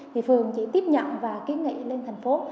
thì phường chỉ tiếp nhận và kiến nghị lên thành phố